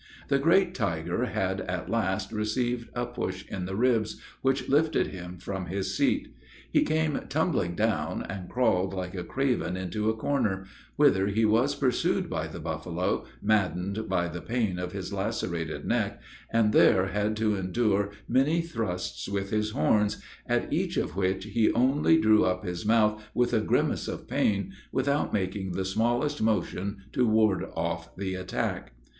The great tiger had, at last, received a push in the ribs, which lifted him from his seat. He came tumbling down, and crawled like a craven into a corner; whither he was pursued by the buffalo, maddened by the pain of his lacerated neck and there had to endure many thrusts with his horns, at each of which he only drew up his mouth with a grimace of pain, without making the smallest motion to ward off the attack.